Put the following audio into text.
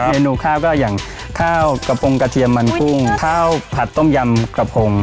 เมนูข้าวก็อย่างข้าวกระโปรงกระเทียมมันกุ้งข้าวผัดต้มยำกระพง